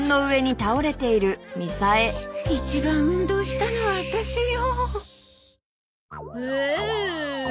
一番運動したのはワタシよ。